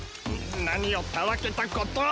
何をたわけたことを！